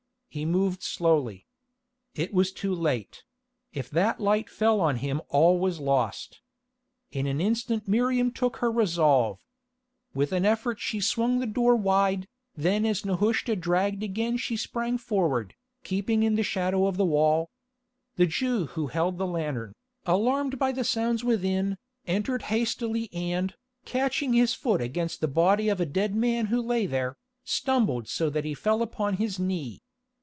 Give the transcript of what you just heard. He moved slowly. It was too late; if that light fell on him all was lost. In an instant Miriam took her resolve. With an effort she swung the door wide, then as Nehushta dragged again she sprang forward, keeping in the shadow of the wall. The Jew who held the lantern, alarmed by the sounds within, entered hastily and, catching his foot against the body of a dead man who lay there, stumbled so that he fell upon his knee.